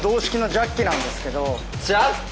ジャッキ！